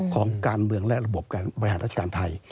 ของการเมืองและระบบการบริหารราชการไทย